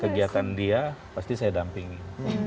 kegiatan dia pasti saya dampingi